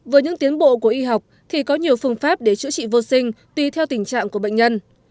với những tiến bộ của y học thì có nhiều phương pháp để chữa trị vô sinh tùy theo tình trạng của bệnh nhân